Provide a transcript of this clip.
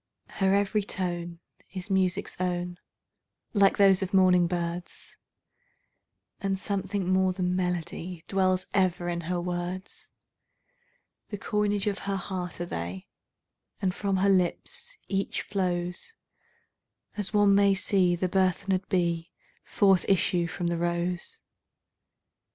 Her every tone is music's own, like those of morning birds, And something more than melody dwells ever in her words; The coinage of her heart are they, and from her lips each flowsAs one may see the burthened bee forth issue from the rose.